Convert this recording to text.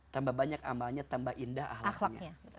tambah banyak amalnya tambah indah ahlaknya